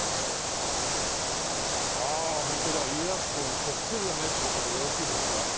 ああホントだ家康公にそっくりだねって事でよろしいですか？